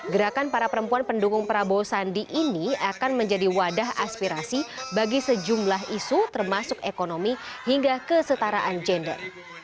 gerakan para perempuan pendukung prabowo sandi ini akan menjadi wadah aspirasi bagi sejumlah isu termasuk ekonomi hingga kesetaraan gender